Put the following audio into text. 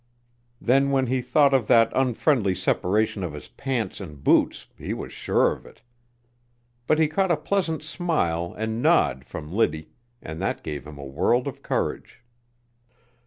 Then when he thought of that unfriendly separation of his pants and boots he was sure of it. But he caught a pleasant smile and nod from Liddy, and that gave him a world of courage.